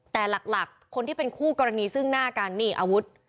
แต่หลักคนที่เป็นคู่กรณีซึ่งหน้าการนี่อาวุธ